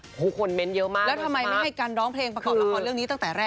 โอ้โหคนเม้นต์เยอะมากแล้วทำไมไม่ให้กันร้องเพลงประกอบละครเรื่องนี้ตั้งแต่แรก